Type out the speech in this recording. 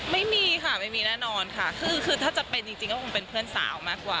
ไม่มีค่ะไม่มีแน่นอนค่ะคือถ้าจะเป็นจริงก็คงเป็นเพื่อนสาวมากกว่า